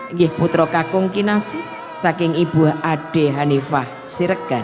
ngih putra kakung kinasi saking ibu ade hanifah sirgan